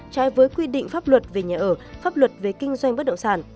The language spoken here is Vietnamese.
trái với quy định pháp luật về nhà ở pháp luật về kinh doanh bất động sản